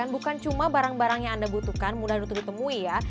bukan cuma barang barang yang anda butuhkan mudah untuk ditemui ya